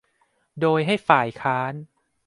โดยให้ฝ่ายค้าน